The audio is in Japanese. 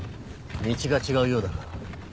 道が違うようだが。